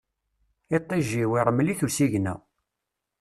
Iṭij-iw, iṛmel-it usigna.